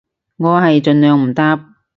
我係盡量唔搭